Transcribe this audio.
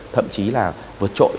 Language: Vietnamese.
thậm chí là vượt trội